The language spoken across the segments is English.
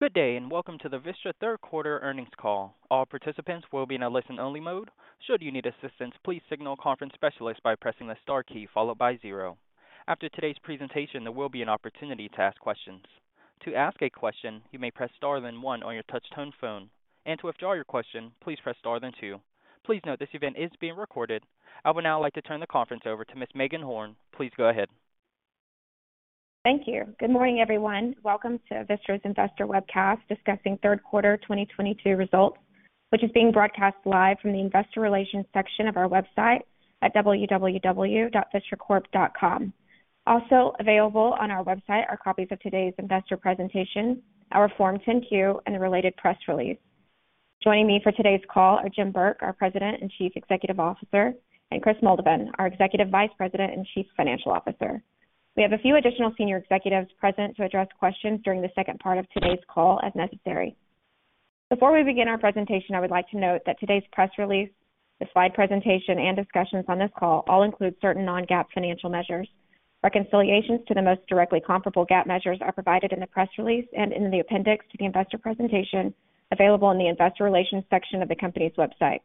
Good day, and welcome to the Vistra third quarter earnings call. All participants will be in a listen-only mode. Should you need assistance, please signal a conference specialist by pressing the star key followed by zero. After today's presentation, there will be an opportunity to ask questions. To ask a question, you may press star then one on your touch-tone phone. To withdraw your question, please press star then two. Please note this event is being recorded. I would now like to turn the conference over to Ms. Meagan Horn. Please go ahead. Thank you. Good morning, everyone. Welcome to Vistra's Investor Webcast discussing third quarter 2022 results, which is being broadcast live from the investor relations section of our website at www.vistracorp.com. Also available on our website are copies of today's investor presentation, our Form 10-Q, and a related press release. Joining me for today's call are Jim Burke, our President and Chief Executive Officer, and Kris Moldovan, our Executive Vice President and Chief Financial Officer. We have a few additional senior executives present to address questions during the second part of today's call as necessary. Before we begin our presentation, I would like to note that today's press release, the slide presentation, and discussions on this call all include certain non-GAAP financial measures. Reconciliations to the most directly comparable GAAP measures are provided in the press release and in the appendix to the investor presentation available on the investor relations section of the company's website.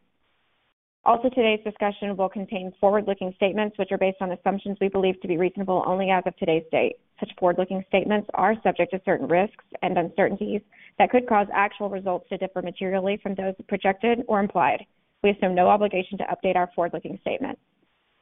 Also, today's discussion will contain forward-looking statements which are based on assumptions we believe to be reasonable only as of today's date. Such forward-looking statements are subject to certain risks and uncertainties that could cause actual results to differ materially from those projected or implied. We assume no obligation to update our forward-looking statements.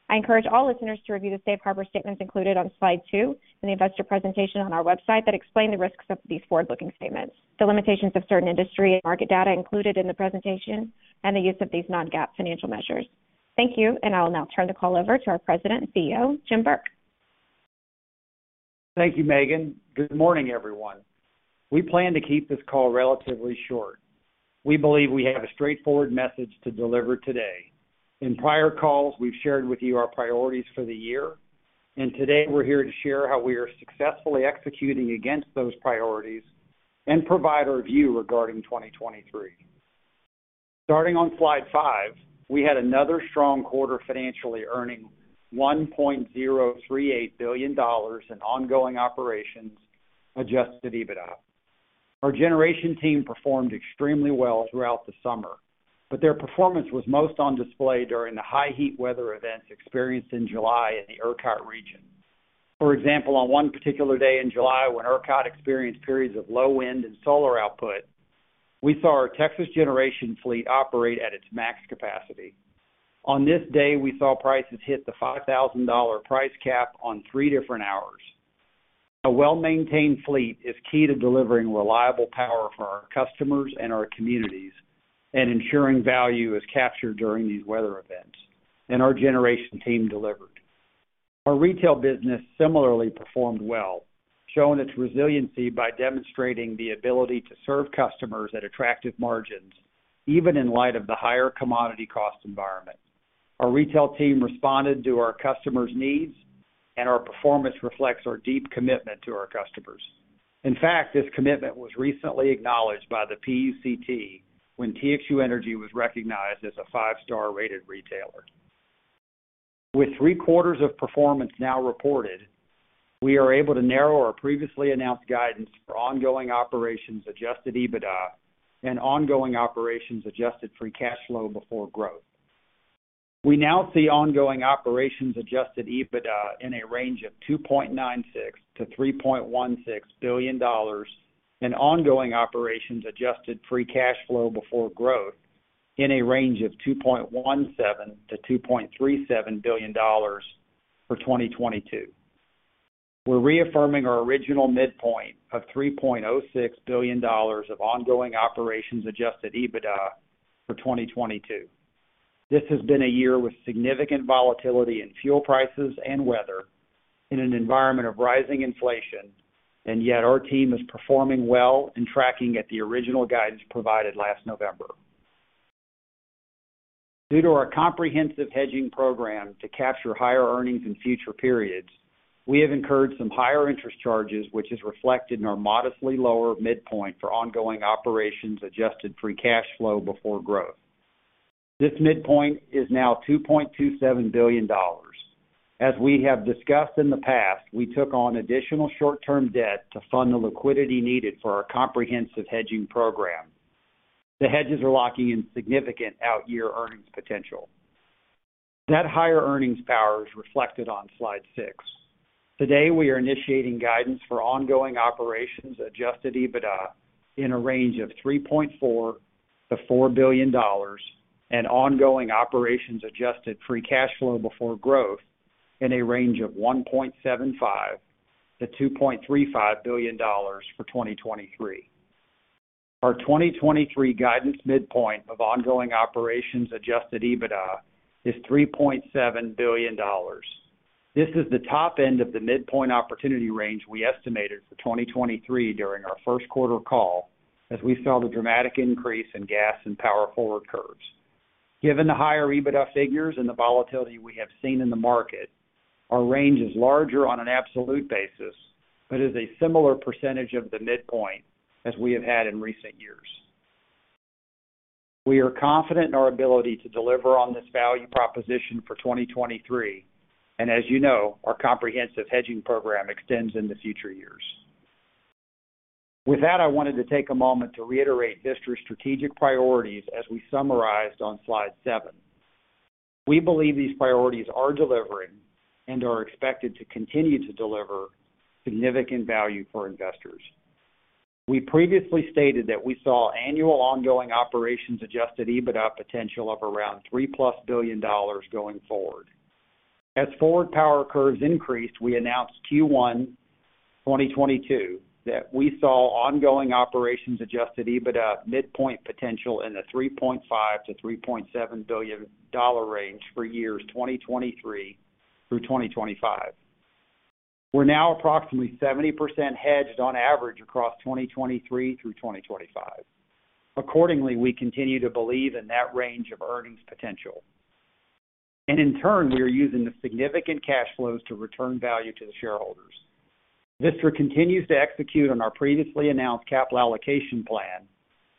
I encourage all listeners to review the safe harbor statements included on slide two in the investor presentation on our website that explain the risks of these forward-looking statements, the limitations of certain industry and market data included in the presentation, and the use of these non-GAAP financial measures. Thank you, and I'll now turn the call over to our President and CEO, Jim Burke. Thank you, Megan. Good morning, everyone. We plan to keep this call relatively short. We believe we have a straightforward message to deliver today. In prior calls, we've shared with you our priorities for the year. Today, we're here to share how we are successfully executing against those priorities and provide our view regarding 2023. Starting on slide 5, we had another strong quarter financially, earning $1.038 billion in Ongoing Operations Adjusted EBITDA. Our generation team performed extremely well throughout the summer, but their performance was most on display during the high heat weather events experienced in July in the ERCOT region. For example, on one particular day in July when ERCOT experienced periods of low wind and solar output, we saw our Texas generation fleet operate at its max capacity. On this day, we saw prices hit the $5,000 price cap on three different hours. A well-maintained fleet is key to delivering reliable power for our customers and our communities and ensuring value is captured during these weather events, and our generation team delivered. Our retail business similarly performed well, showing its resiliency by demonstrating the ability to serve customers at attractive margins, even in light of the higher commodity cost environment. Our retail team responded to our customers' needs, and our performance reflects our deep commitment to our customers. In fact, this commitment was recently acknowledged by the PUCT when TXU Energy was recognized as a five-star rated retailer. With three-quarters of performance now reported, we are able to narrow our previously announced guidance for Ongoing Operations Adjusted EBITDA and Ongoing Operations Adjusted Free Cash Flow before Growth. We now see Ongoing Operations Adjusted EBITDA in a range of $2.96 billion-$3.16 billion and Ongoing Operations Adjusted Free Cash Flow before Growth in a range of $2.17 billion-$2.37 billion for 2022. We're reaffirming our original midpoint of $3.06 billion of Ongoing Operations Adjusted EBITDA for 2022. This has been a year with significant volatility in fuel prices and weather in an environment of rising inflation, and yet our team is performing well and tracking at the original guidance provided last November. Due to our comprehensive hedging program to capture higher earnings in future periods, we have incurred some higher interest charges, which is reflected in our modestly lower midpoint for Ongoing Operations Adjusted Free Cash Flow before Growth. This midpoint is now $2.27 billion. As we have discussed in the past, we took on additional short-term debt to fund the liquidity needed for our comprehensive hedging program. The hedges are locking in significant out-year earnings potential. That higher earnings power is reflected on slide six. Today, we are initiating guidance for Ongoing Operations Adjusted EBITDA in a range of $3.4 billion-$4 billion and Ongoing Operations Adjusted Free Cash Flow before Growth in a range of $1.75 billion-$2.35 billion for 2023. Our 2023 guidance midpoint of Ongoing Operations Adjusted EBITDA is $3.7 billion. This is the top end of the midpoint opportunity range we estimated for 2023 during our first quarter call as we saw the dramatic increase in gas and power forward curves. Given the higher EBITDA figures and the volatility we have seen in the market, our range is larger on an absolute basis, but is a similar percentage of the midpoint as we have had in recent years. We are confident in our ability to deliver on this value proposition for 2023. As you know, our comprehensive hedging program extends in the future years. With that, I wanted to take a moment to reiterate Vistra's strategic priorities as we summarized on slide 7. We believe these priorities are delivering and are expected to continue to deliver significant value for investors. We previously stated that we saw annual Ongoing Operations Adjusted EBITDA potential of around $3+ billion going forward. As forward power curves increased, we announced Q1 2022 that we saw Ongoing Operations Adjusted EBITDA midpoint potential in the $3.5 billion-$3.7 billion range for years 2023 through 2025. We're now approximately 70% hedged on average across 2023 through 2025. Accordingly, we continue to believe in that range of earnings potential. In turn, we are using the significant cash flows to return value to the shareholders. Vistra continues to execute on our previously announced capital allocation plan,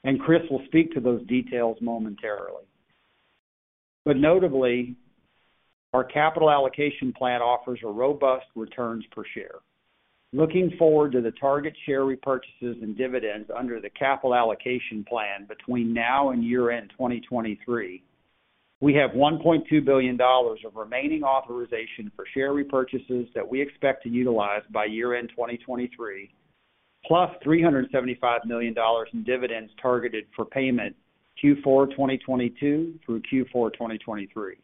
and Kris will speak to those details momentarily. Notably, our capital allocation plan offers a robust returns per share. Looking forward to the target share repurchases and dividends under the capital allocation plan between now and year-end 2023, we have $1.2 billion of remaining authorization for share repurchases that we expect to utilize by year-end 2023, plus $375 million in dividends targeted for payment Q4 2022 through Q4 2023.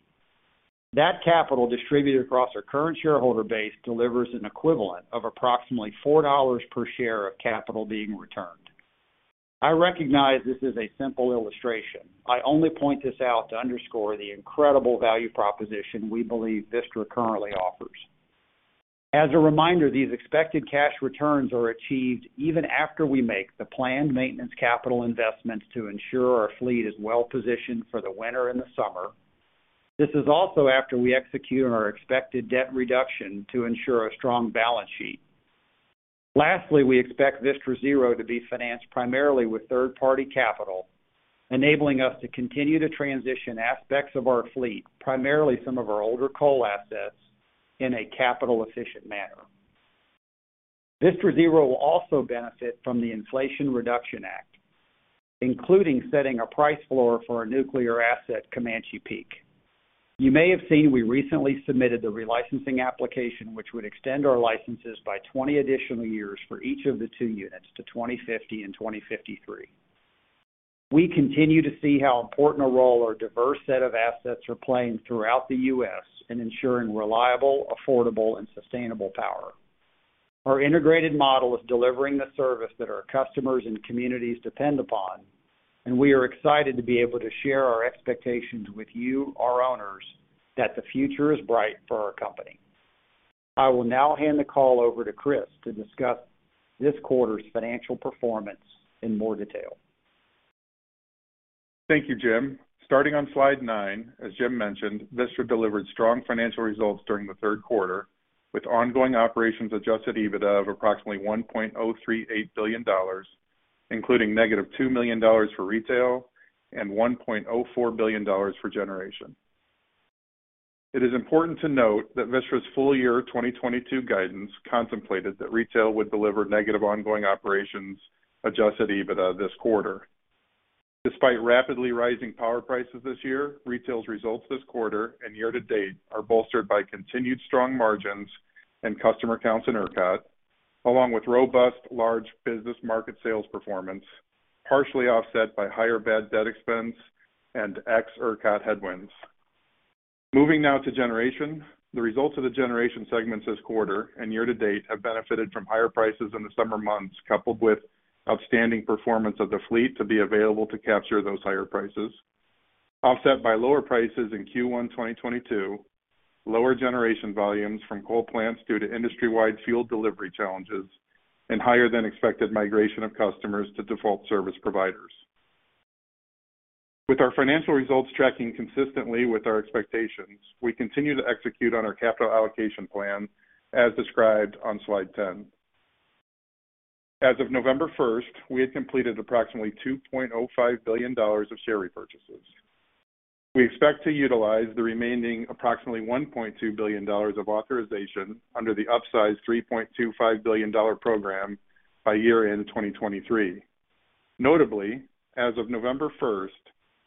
That capital distributed across our current shareholder base delivers an equivalent of approximately $4 per share of capital being returned. I recognize this is a simple illustration. I only point this out to underscore the incredible value proposition we believe Vistra currently offers. As a reminder, these expected cash returns are achieved even after we make the planned maintenance capital investments to ensure our fleet is well positioned for the winter and the summer. This is also after we execute on our expected debt reduction to ensure a strong balance sheet. Lastly, we expect Vistra Zero to be financed primarily with third-party capital, enabling us to continue to transition aspects of our fleet, primarily some of our older coal assets, in a capital efficient manner. Vistra Zero will also benefit from the Inflation Reduction Act, including setting a price floor for our nuclear asset, Comanche Peak. You may have seen we recently submitted the relicensing application, which would extend our licenses by 20 additional years for each of the two units to 2050 and 2053. We continue to see how important a role our diverse set of assets are playing throughout the U.S. in ensuring reliable, affordable, and sustainable power. Our integrated model is delivering the service that our customers and communities depend upon, and we are excited to be able to share our expectations with you, our owners, that the future is bright for our company. I will now hand the call over to Kris to discuss this quarter's financial performance in more detail. Thank you, Jim. Starting on slide nine, as Jim mentioned, Vistra delivered strong financial results during the third quarter, with Ongoing Operations Adjusted EBITDA of approximately $1.038 billion, including -$2 million for retail and $1.04 billion for generation. It is important to note that Vistra's full year 2022 guidance contemplated that retail would deliver negative Ongoing Operations Adjusted EBITDA this quarter. Despite rapidly rising power prices this year, retail's results this quarter and year-to-date are bolstered by continued strong margins and customer counts in ERCOT, along with robust large business market sales performance, partially offset by higher bad debt expense and ex-ERCOT headwinds. Moving now to generation. The results of the generation segments this quarter and year-to-date have benefited from higher prices in the summer months, coupled with outstanding performance of the fleet to be available to capture those higher prices, offset by lower prices in Q1 2022, lower generation volumes from coal plants due to industry-wide fuel delivery challenges, and higher than expected migration of customers to default service providers. With our financial results tracking consistently with our expectations, we continue to execute on our capital allocation plan as described on slide 10. As of November 1, we had completed approximately $2.05 billion of share repurchases. We expect to utilize the remaining approximately $1.2 billion of authorization under the upsized $3.25 billion program by year-end 2023. Notably, as of November 1,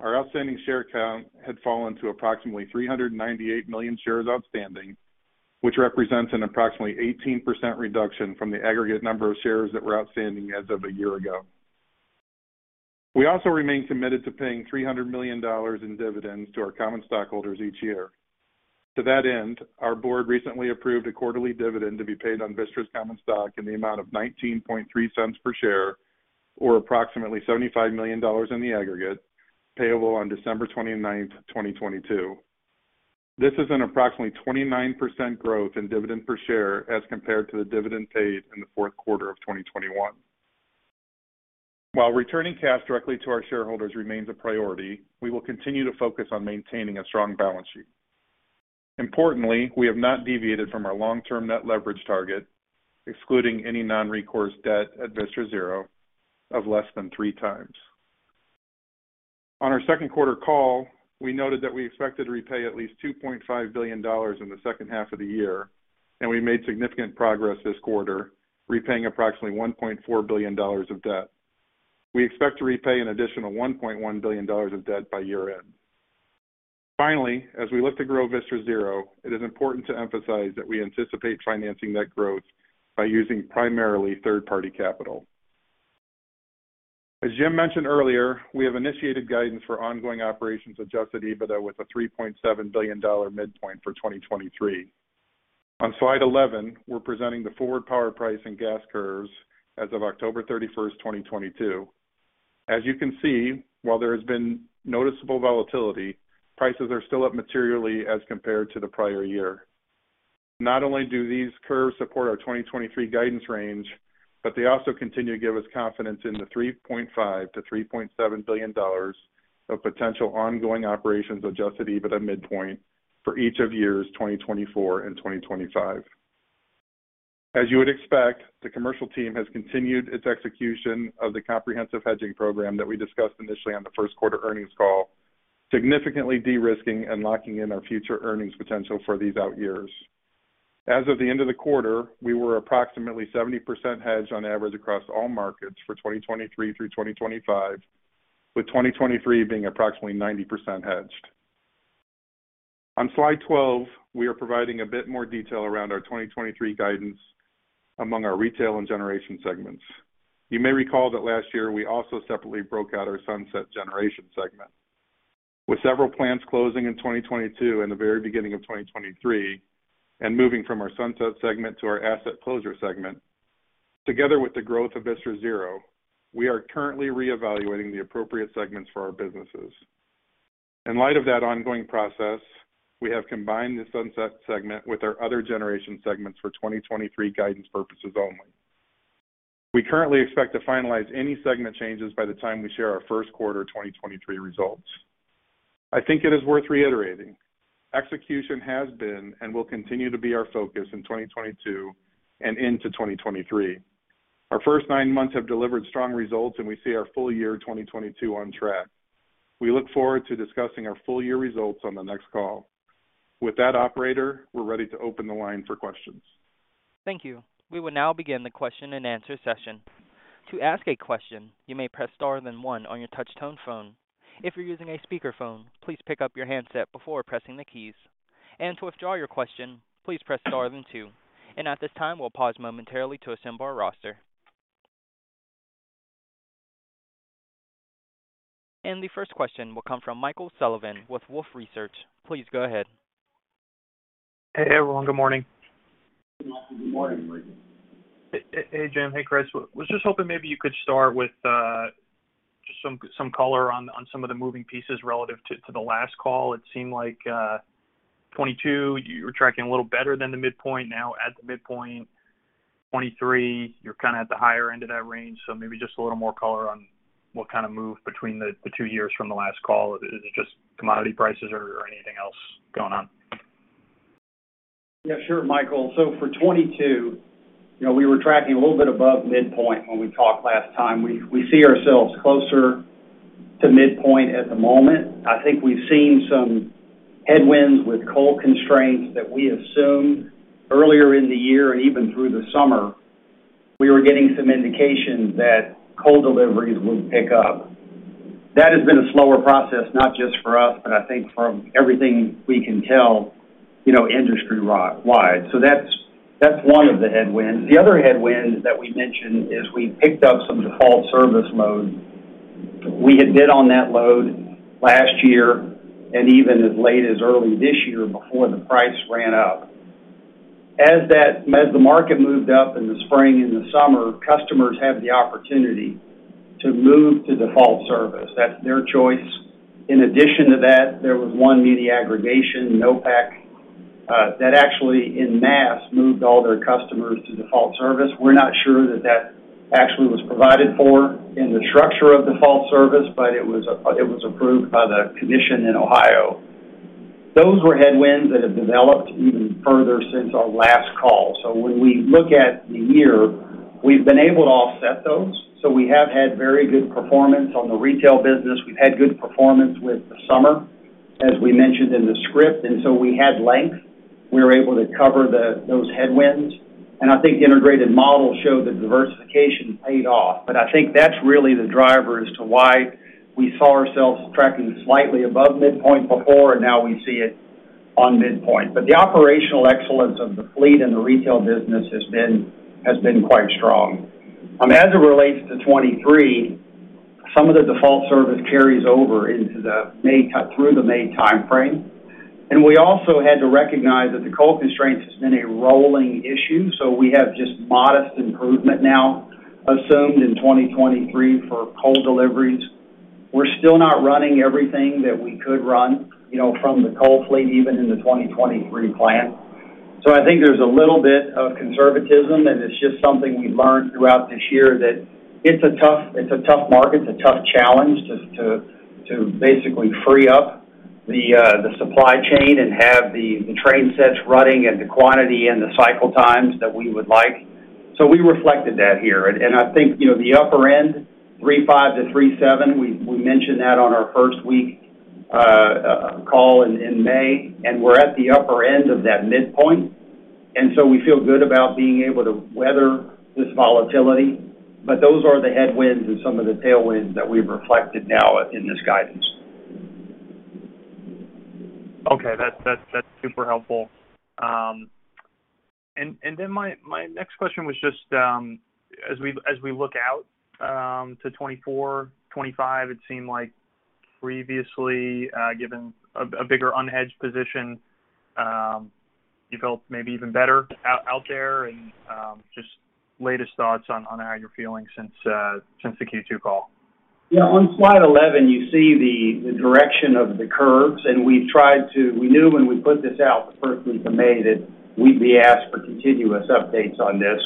our outstanding share count had fallen to approximately 398 million shares outstanding, which represents an approximately 18% reduction from the aggregate number of shares that were outstanding as of a year ago. We also remain committed to paying $300 million in dividends to our common stockholders each year. To that end, our board recently approved a quarterly dividend to be paid on Vistra's common stock in the amount of $0.193 per share, or approximately $75 million in the aggregate, payable on December 29, 2022. This is an approximately 29% growth in dividend per share as compared to the dividend paid in the fourth quarter of 2021. While returning cash directly to our shareholders remains a priority, we will continue to focus on maintaining a strong balance sheet. Importantly, we have not deviated from our long-term net leverage target, excluding any non-recourse debt at Vistra Zero of less than 3x. On our second quarter call, we noted that we expected to repay at least $2.5 billion in the second half of the year, and we made significant progress this quarter, repaying approximately $1.4 billion of debt. We expect to repay an additional $1.1 billion of debt by year-end. Finally, as we look to grow Vistra Zero, it is important to emphasize that we anticipate financing net growth by using primarily third-party capital. As Jim mentioned earlier, we have initiated guidance for Ongoing Operations Adjusted EBITDA with a $3.7 billion midpoint for 2023. On slide 11, we're presenting the forward power price and gas curves as of October 31, 2022. As you can see, while there has been noticeable volatility, prices are still up materially as compared to the prior year. Not only do these curves support our 2023 guidance range, but they also continue to give us confidence in the $3.5 billion-$3.7 billion of potential Ongoing Operations Adjusted EBITDA midpoint for each of years, 2024 and 2025. As you would expect, the commercial team has continued its execution of the comprehensive hedging program that we discussed initially on the first quarter earnings call, significantly de-risking and locking in our future earnings potential for these out years. As of the end of the quarter, we were approximately 70% hedged on average across all markets for 2023 through 2025, with 2023 being approximately 90% hedged. On slide 12, we are providing a bit more detail around our 2023 guidance among our retail and generation segments. You may recall that last year we also separately broke out our sunset generation segment. With several plants closing in 2022 and the very beginning of 2023, and moving from our sunset segment to our asset closure segment, together with the growth of Vistra Zero, we are currently reevaluating the appropriate segments for our businesses. In light of that ongoing process, we have combined the sunset segment with our other generation segments for 2023 guidance purposes only. We currently expect to finalize any segment changes by the time we share our first quarter 2023 results. I think it is worth reiterating, execution has been and will continue to be our focus in 2022 and into 2023. Our first nine months have delivered strong results, and we see our full year 2022 on track. We look forward to discussing our full year results on the next call. With that, operator, we're ready to open the line for questions. Thank you. We will now begin the question and answer session. To ask a question, you may press star then one on your touch tone phone. If you're using a speakerphone, please pick up your handset before pressing the keys. To withdraw your question, please press star then two. At this time, we'll pause momentarily to assemble our roster. The first question will come from Michael Sullivan with Wolfe Research. Please go ahead. Hey, everyone. Good morning. Good morning. Hey, Jim. Hey, Kris. Was just hoping maybe you could start with just some color on some of the moving pieces relative to the last call. It seemed like 2022, you were tracking a little better than the midpoint, now at the midpoint. 2023, you're kind of at the higher end of that range. Maybe just a little more color on what kind of move between the two years from the last call. Is it just commodity prices or anything else going on? Yeah, sure, Michael. For 2022, you know, we were tracking a little bit above midpoint when we talked last time. We see ourselves closer to midpoint at the moment. I think we've seen some headwinds with coal constraints that we assumed earlier in the year. Even through the summer, we were getting some indication that coal deliveries would pick up. That has been a slower process, not just for us, but I think from everything we can tell, you know, industry-wide. That's one of the headwinds. The other headwind that we mentioned is we picked up some default service load. We had bid on that load last year and even as late as early this year before the price ran up. As the market moved up in the spring and the summer, customers had the opportunity to move to default service. That's their choice. In addition to that, there was one mini aggregation, NOPEC, that actually en masse moved all their customers to default service. We're not sure that actually was provided for in the structure of default service, but it was approved by the commission in Ohio. Those were headwinds that have developed even further since our last call. When we look at the year, we've been able to offset those. We have had very good performance on the retail business. We've had good performance with the summer, as we mentioned in the script. We had leverage. We were able to cover those headwinds. I think the integrated model showed the diversification paid off. I think that's really the driver as to why we saw ourselves tracking slightly above midpoint before, and now we see it on midpoint. The operational excellence of the fleet and the retail business has been quite strong. As it relates to 2023, some of the default service carries over into the May timeframe. We also had to recognize that the coal constraints has been a rolling issue. We have just modest improvement now assumed in 2023 for coal deliveries. We're still not running everything that we could run, you know, from the coal fleet, even in the 2023 plan. I think there's a little bit of conservatism, and it's just something we've learned throughout this year that it's a tough market. It's a tough challenge just to basically free up the supply chain and have the train sets running at the quantity and the cycle times that we would like. We reflected that here. I think, you know, the upper end, 3.5-3.7, we mentioned that on our first week call in May, and we're at the upper end of that midpoint. We feel good about being able to weather this volatility. Those are the headwinds and some of the tailwinds that we've reflected now in this guidance. Okay. That's super helpful. Then my next question was just as we look out to 2024, 2025, it seemed like previously, given a bigger unhedged position, you felt maybe even better out there and just latest thoughts on how you're feeling since the Q2 call. Yeah. On slide 11, you see the direction of the curves, and we knew when we put this out the first week of May that we'd be asked for continuous updates on this.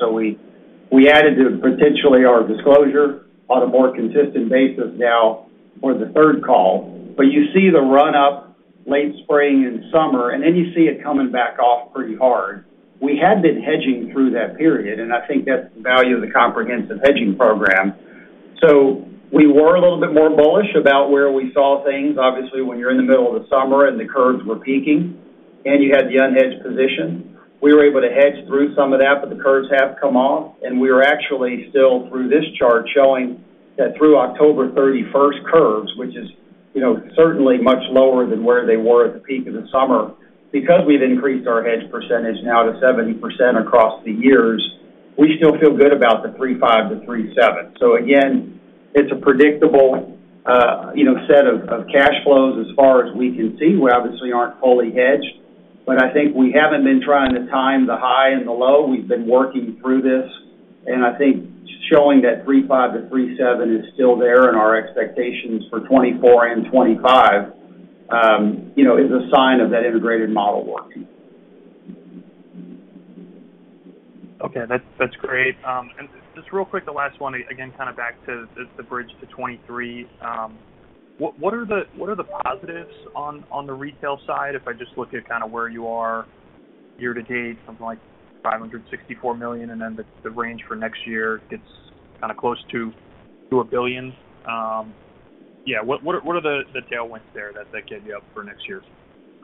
We added to potentially our disclosure on a more consistent basis now for the third call. You see the run up late spring and summer, and then you see it coming back off pretty hard. We had been hedging through that period, and I think that's the value of the comprehensive hedging program. We were a little bit more bullish about where we saw things. Obviously, when you're in the middle of the summer and the curves were peaking, and you had the unhedged position, we were able to hedge through some of that, but the curves have come off. We're actually still through this chart showing that through October 31 curves, which is, you know, certainly much lower than where they were at the peak of the summer. Because we've increased our hedge percentage now to 70% across the years, we still feel good about the 3.5-3.7. Again, it's a predictable, you know, set of cash flows as far as we can see. We obviously aren't fully hedged, but I think we haven't been trying to time the high and the low. We've been working through this. I think showing that 3.5-3.7 is still there in our expectations for 2024 and 2025, you know, is a sign of that integrated model working. Okay. That's great. Just real quick, the last one, again, kind of back to the bridge to 2023. What are the positives on the retail side if I just look at kind of where you are year-to-date, something like $564 million, and then the range for next year gets kind of close to $1 billion. Yeah, what are the tailwinds there that get you up for next year?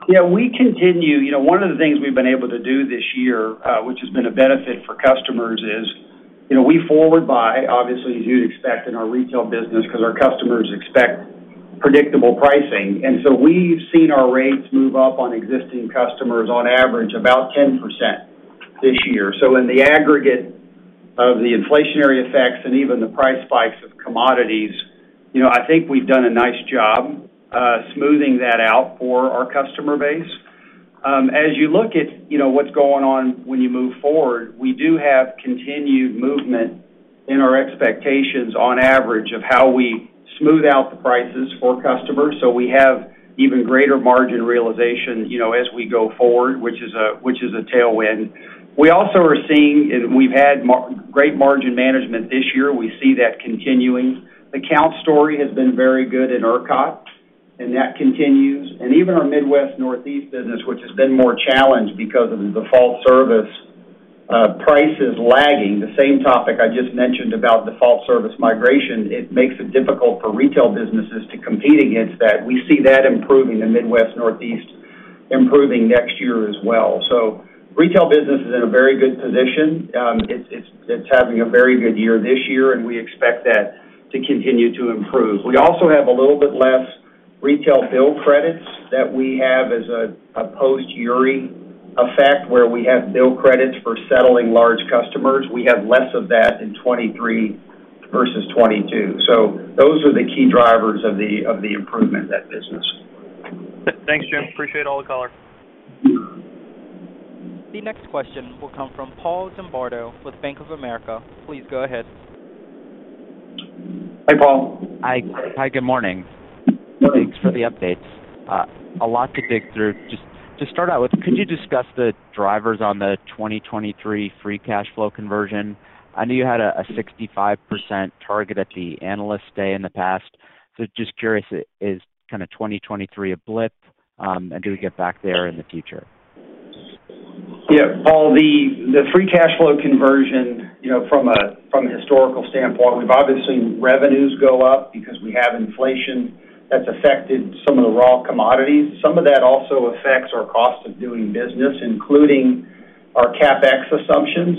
Yeah. We continue. You know, one of the things we've been able to do this year, which has been a benefit for customers, is, you know, we forward buy, obviously, as you'd expect in our retail business because our customers expect predictable pricing. We've seen our rates move up on existing customers on average about 10% this year. In the aggregate of the inflationary effects and even the price spikes of commodities, you know, I think we've done a nice job smoothing that out for our customer base. As you look at, you know, what's going on when you move forward, we do have continued movement in our expectations on average of how we smooth out the prices for customers. We have even greater margin realization, you know, as we go forward, which is a tailwind. We also are seeing, and we've had great margin management this year. We see that continuing. The count story has been very good in ERCOT, and that continues. Even our Midwest, Northeast business, which has been more challenged because of the default service prices lagging, the same topic I just mentioned about default service migration, it makes it difficult for retail businesses to compete against that. We see that improving the Midwest, Northeast improving next year as well. Retail business is in a very good position. It's having a very good year this year, and we expect that to continue to improve. We also have a little bit less retail bill credits that we have as a post-Uri effect, where we have bill credits for settling large customers. We have less of that in 2023 versus 2022. Those are the key drivers of the improvement in that business. Thanks, Jim. Appreciate all the color. The next question will come from Paul Zimbardo with Bank of America. Please go ahead. Hi, Paul. Hi. Hi, good morning. Thanks for the updates. A lot to dig through. Just to start out with, could you discuss the drivers on the 2023 free cash flow conversion? I know you had a 65% target at the Analyst Day in the past. Just curious, is kind of 2023 a blip, and do we get back there in the future? Yeah. Paul, the free cash flow conversion, you know, from a historical standpoint, we've obviously seen revenues go up because we have inflation that's affected some of the raw commodities. Some of that also affects our cost of doing business, including our CapEx assumption.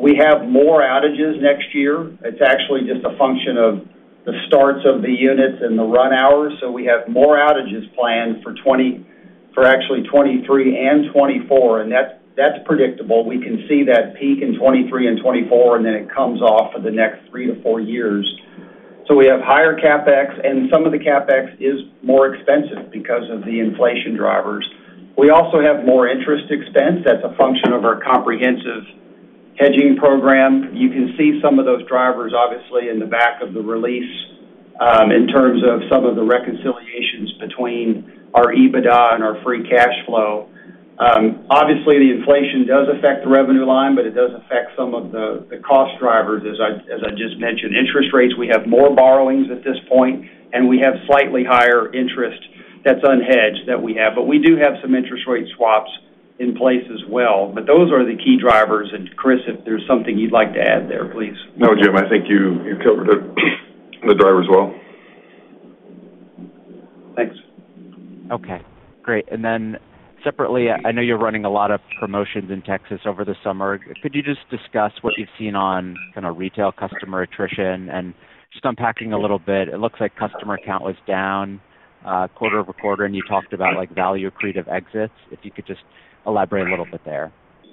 We have more outages next year. It's actually just a function of the starts of the units and the run hours. We have more outages planned for actually 2023 and 2024, and that's predictable. We can see that peak in 2023 and 2024, and then it comes off for the next three to four years. We have higher CapEx, and some of the CapEx is more expensive because of the inflation drivers. We also have more interest expense. That's a function of our comprehensive hedging program. You can see some of those drivers obviously in the back of the release, in terms of some of the reconciliations between our EBITDA and our free cash flow. Obviously, the inflation does affect the revenue line, but it does affect some of the cost drivers as I just mentioned. Interest rates, we have more borrowings at this point, and we have slightly higher interest that's unhedged that we have. We do have some interest rate swaps in place as well. Those are the key drivers. Kris, if there's something you'd like to add there, please. No, Jim, I think you covered it, the drivers well. Thanks. Okay, great. Then separately, I know you're running a lot of promotions in Texas over the summer. Could you just discuss what you've seen on kinda retail customer attrition? Just unpacking a little bit, it looks like customer count was down quarter-over-quarter, and you talked about, like, value accretive exits. If you could just elaborate a little bit there.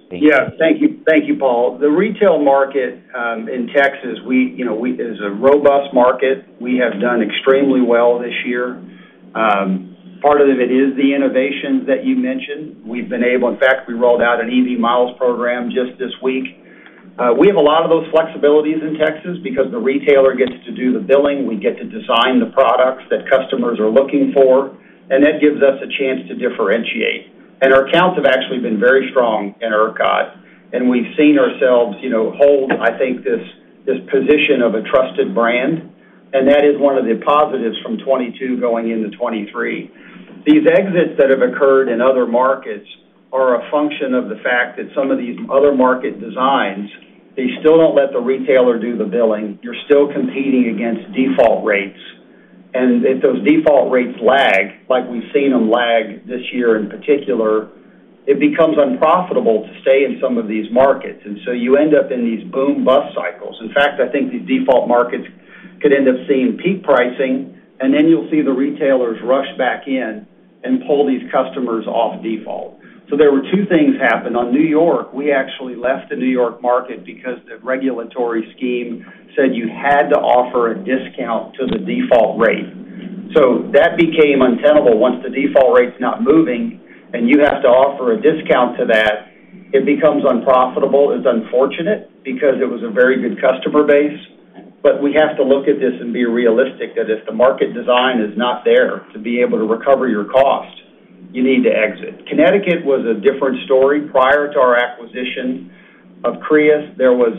Thank you. Yeah. Thank you. Thank you, Paul. The retail market in Texas is a robust market. We have done extremely well this year. Part of it is the innovations that you mentioned. In fact, we rolled out an EV miles program just this week. We have a lot of those flexibilities in Texas because the retailer gets to do the billing. We get to design the products that customers are looking for, and that gives us a chance to differentiate. Our accounts have actually been very strong in ERCOT, and we've seen ourselves hold, I think, this position of a trusted brand, and that is one of the positives from 2022 going into 2023. These exits that have occurred in other markets are a function of the fact that some of these other market designs, they still don't let the retailer do the billing. You're still competing against default rates. If those default rates lag, like we've seen them lag this year in particular, it becomes unprofitable to stay in some of these markets, and so you end up in these boom-bust cycles. In fact, I think these default markets could end up seeing peak pricing, and then you'll see the retailers rush back in and pull these customers off default. There were two things happened. On New York, we actually left the New York market because the regulatory scheme said you had to offer a discount to the default rate. That became untenable. Once the default rate's not moving and you have to offer a discount to that, it becomes unprofitable. It's unfortunate because it was a very good customer base, but we have to look at this and be realistic that if the market design is not there to be able to recover your cost, you need to exit. Connecticut was a different story. Prior to our acquisition of Crius, there was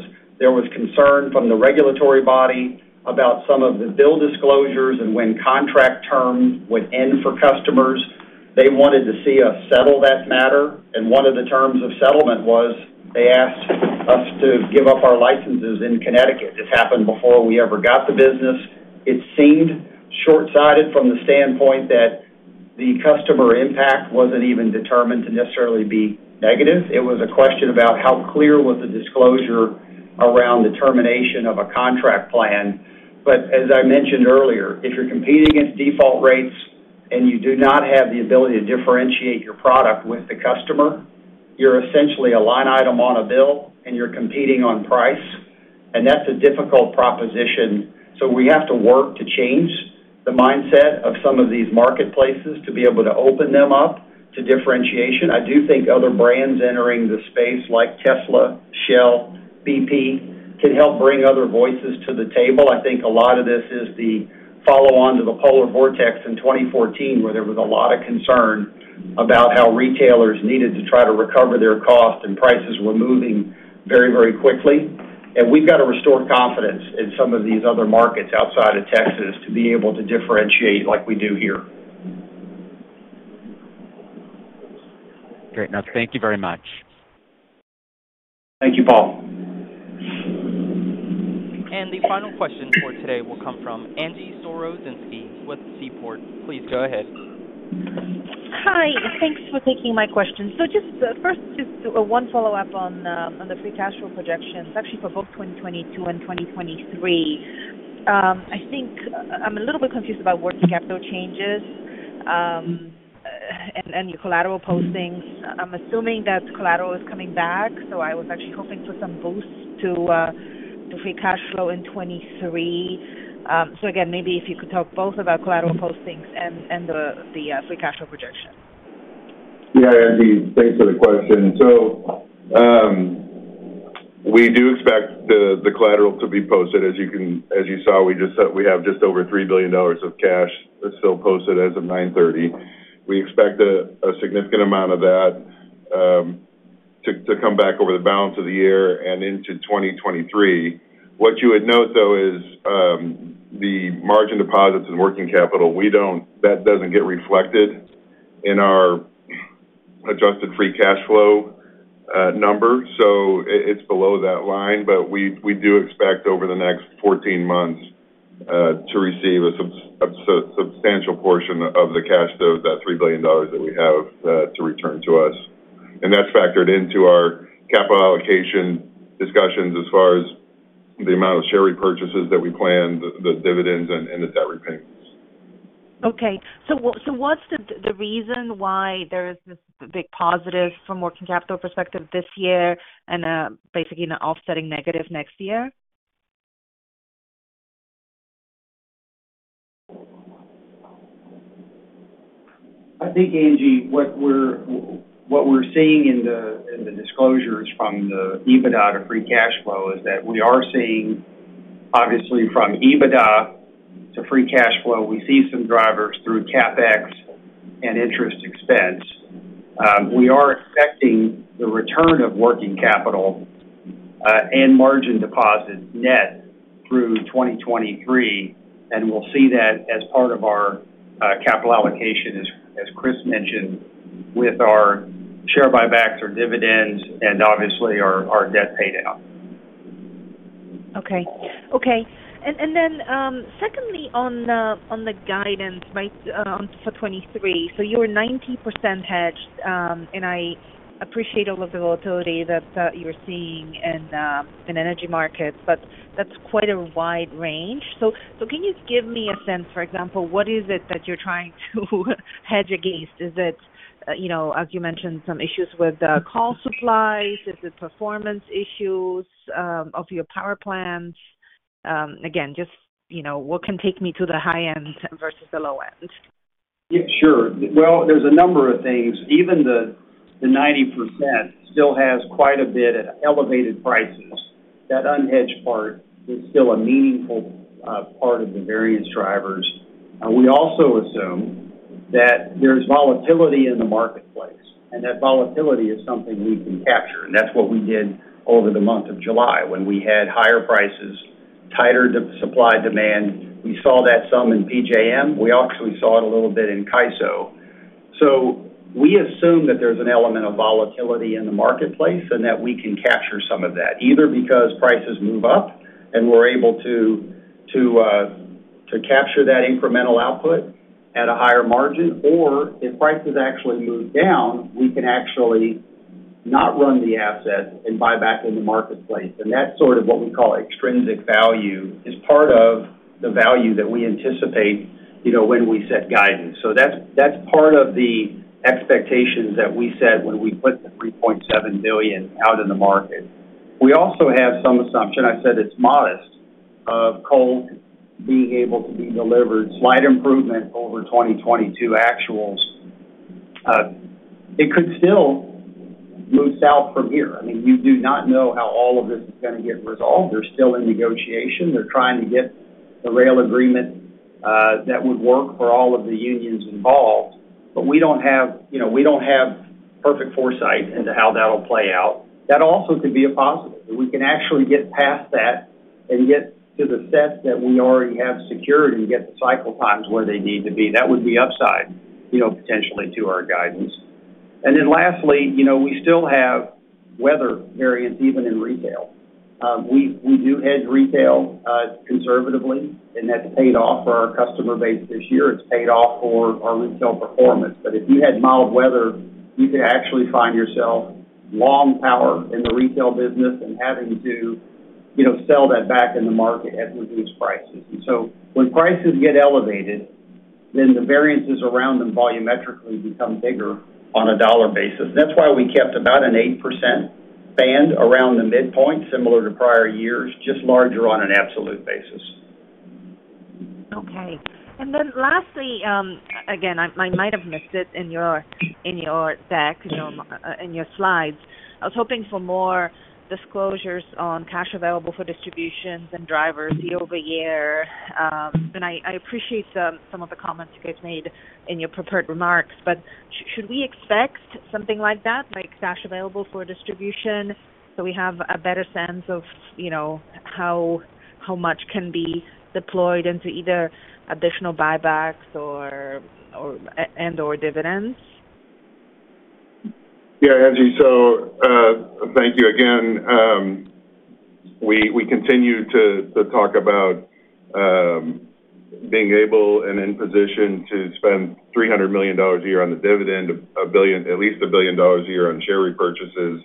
concern from the regulatory body about some of the bill disclosures and when contract terms would end for customers. They wanted to see us settle that matter, and one of the terms of settlement was they asked us to give up our licenses in Connecticut. This happened before we ever got the business. It seemed shortsighted from the standpoint that the customer impact wasn't even determined to necessarily be negative. It was a question about how clear was the disclosure around the termination of a contract plan. As I mentioned earlier, if you're competing against default rates and you do not have the ability to differentiate your product with the customer, you're essentially a line item on a bill and you're competing on price, and that's a difficult proposition. We have to work to change the mindset of some of these marketplaces to be able to open them up to differentiation. I do think other brands entering the space like Tesla, Shell, BP, can help bring other voices to the table. I think a lot of this is the follow-on to the polar vortex in 2014, where there was a lot of concern about how retailers needed to try to recover their cost and prices were moving very, very quickly. We've got to restore confidence in some of these other markets outside of Texas to be able to differentiate like we do here. Great. Now, thank you very much. Thank you, Paul. The final question for today will come from Angie Storozynski with Seaport. Please go ahead. Hi. Thanks for taking my question. Just first, one follow-up on the free cash flow projections, actually for both 2022 and 2023. I think I'm a little bit confused about working capital changes and your collateral postings. I'm assuming that collateral is coming back, so I was actually hoping for some boost to free cash flow in 2023. Again, maybe if you could talk both about collateral postings and the free cash flow projection. Yeah, Angie, thanks for the question. We do expect the collateral to be posted. As you saw, we just said we have just over $3 billion of cash that's still posted as of 9/30. We expect a significant amount of that to come back over the balance of the year and into 2023. What you would note, though, is the margin deposits and working capital, we don't, that doesn't get reflected in our adjusted free cash flow number. It's below that line. We do expect over the next 14 months to receive a substantial portion of the cash, that $3 billion that we have to return to us. That's factored into our capital allocation discussions as far as the amount of share repurchases that we plan, the dividends, and the debt repayments. What's the reason why there is this big positive from working capital perspective this year and basically an offsetting negative next year? I think, Angie, what we're seeing in the disclosures from the EBITDA to free cash flow is that we are seeing, obviously from EBITDA to free cash flow, we see some drivers through CapEx and interest expense. We are expecting the return of working capital and margin deposits net through 2023, and we'll see that as part of our capital allocation as Kris mentioned, with our share buybacks or dividends and obviously our debt pay down. Then, secondly on the guidance, right, for 2023. You were 90% hedged, and I appreciate all of the volatility that you're seeing in energy markets, but that's quite a wide range. Can you give me a sense, for example, what is it that you're trying to hedge against? Is it, you know, as you mentioned, some issues with coal supplies? Is it performance issues of your power plants? Again, just, you know, what can take me to the high end versus the low end? Yeah, sure. Well, there's a number of things. Even the 90% still has quite a bit at elevated prices. That unhedged part is still a meaningful part of the various drivers. We also assume that there's volatility in the marketplace, and that volatility is something we can capture. That's what we did over the month of July when we had higher prices, tighter supply-demand. We saw that some in PJM. We actually saw it a little bit in CAISO. We assume that there's an element of volatility in the marketplace and that we can capture some of that, either because prices move up and we're able to capture that incremental output at a higher margin. If prices actually move down, we can actually not run the asset and buy back in the marketplace. That's sort of what we call extrinsic value. It's part of the value that we anticipate, you know, when we set guidance. That's part of the expectations that we set when we put the $3.7 billion out in the market. We also have some assumption, I've said it's modest, of coal being able to be delivered, slight improvement over 2022 actuals. It could still move south from here. I mean, we do not know how all of this is gonna get resolved. They're still in negotiation. They're trying to get the rail agreement that would work for all of the unions involved. We don't have, you know, we don't have perfect foresight into how that'll play out. That also could be a positive, that we can actually get past that and get to the set that we already have secured and get the cycle times where they need to be. That would be upside, you know, potentially to our guidance. Then lastly, you know, we still have weather variance even in retail. We do hedge retail conservatively, and that's paid off for our customer base this year. It's paid off for our retail performance. If you had mild weather, you could actually find yourself long power in the retail business and having to, you know, sell that back in the market at reduced prices. When prices get elevated, then the variances around them volumetrically become bigger on a dollar basis. That's why we kept about an 8% band around the midpoint, similar to prior years, just larger on an absolute basis. Okay. Then lastly, again, I might have missed it in your deck, in your slides. I was hoping for more disclosures on cash available for distributions and drivers year-over-year. I appreciate some of the comments you guys made in your prepared remarks. Should we expect something like that, like cash available for distribution, so we have a better sense of, you know, how much can be deployed into either additional buybacks or and/or dividends? Yeah, Angie. Thank you again. We continue to talk about being able and in position to spend $300 million a year on the dividend, $1 billion, at least $1 billion a year on share repurchases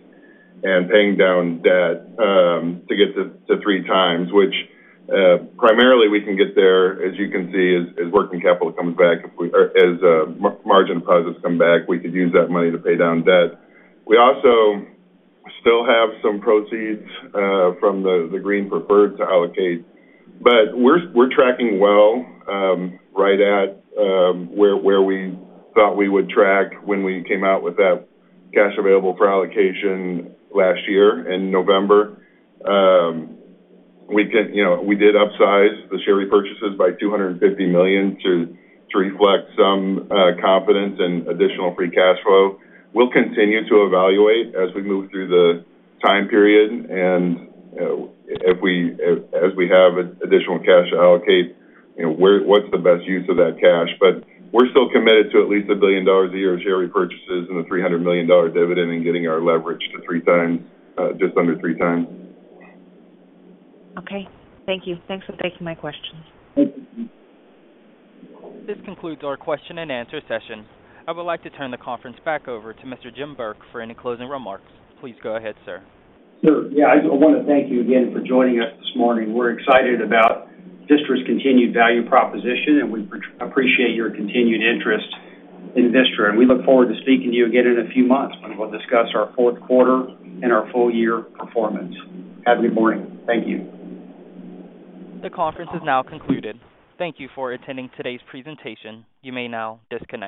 and paying down debt to get to 3x. Which primarily we can get there, as you can see, as working capital comes back or as margin deposits come back, we could use that money to pay down debt. We also still have some proceeds from the green preferred to allocate. We're tracking well right at where we thought we would track when we came out with that cash available for allocation last year in November. We can, you know, we did upsize the share repurchases by $250 million to reflect some confidence in additional free cash flow. We'll continue to evaluate as we move through the time period and if we, as we have additional cash to allocate, you know, what's the best use of that cash. We're still committed to at least $1 billion a year of share repurchases and the $300 million dividend and getting our leverage to 3x, just under 3x. Okay. Thank you. Thanks for taking my questions. Thank you. This concludes our question and answer session. I would like to turn the conference back over to Mr. Jim Burke for any closing remarks. Please go ahead, sir. Sure. Yeah. I wanna thank you again for joining us this morning. We're excited about Vistra's continued value proposition, and we appreciate your continued interest in Vistra. We look forward to speaking to you again in a few months when we'll discuss our fourth quarter and our full year performance. Have a good morning. Thank you. The conference is now concluded. Thank you for attending today's presentation. You may now disconnect.